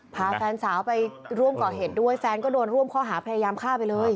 พาแฟนสาวไปร่วมก่อเหตุด้วยแฟนก็โดนร่วมข้อหาพยายามฆ่าไปเลย